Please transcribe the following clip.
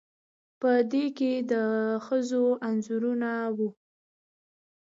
په دې کې د ښځو انځورونه وو